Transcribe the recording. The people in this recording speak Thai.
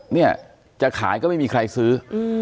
เนี่ยจะขายก็ไม่มีใครซื้อ